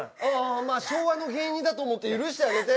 昭和の芸人だと思って許してあげて。